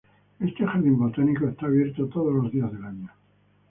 Este jardín botánico está abierto todos los días del año.